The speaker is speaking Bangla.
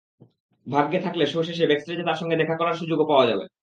ভাগ্যে থাকলে শো শেষে ব্যাকস্টেজে তাঁর সঙ্গে দেখা করার সুযোগও পাওয়া যাবে।